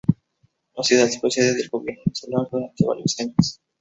La ciudad fue sede del gobierno insular durante varios años.